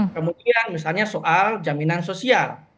kemudian misalnya soal jaminan sosial